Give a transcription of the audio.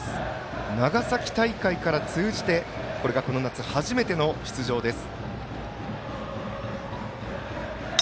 長崎大会から通じてこれがこの夏初めての出場です。